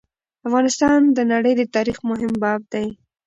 افغانستان د نړی د تاریخ مهم باب دی.